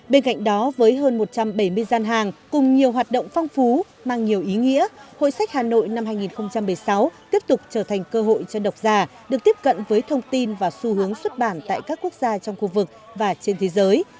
bên cạnh đó với hơn một trăm bảy mươi gian hàng cùng nhiều hoạt động phong phú mang nhiều ý nghĩa hội sách hà nội năm hai nghìn một mươi sáu tiếp tục trở thành cơ hội cho đọc giả được tiếp cận với thông tin và xu hướng xuất bản tại các quốc gia trong khu vực và trên thế giới